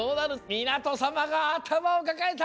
みなとさまがあたまをかかえた。